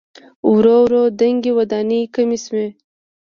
ورو ورو دنګې ودانۍ کمې شوې.